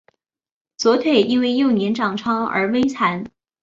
左腿因为幼年长疮而微残。